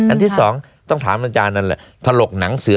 อันที่สองต้องถามอาจารย์นั่นแหละ